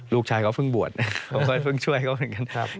ลูกชายเขาเพิ่งบวชเพิ่งช่วยเขาเหมือนกัน